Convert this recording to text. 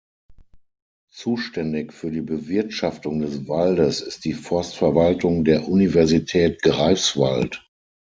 Zuständig für die Bewirtschaftung des Waldes ist die Forstverwaltung der Universität Greifswald.